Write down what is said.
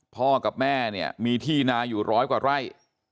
พ่อกับแม่เนี่ยมีที่นาอยู่ร้อยกว่าไร่